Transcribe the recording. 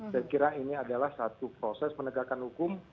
saya kira ini adalah satu proses penegakan hukum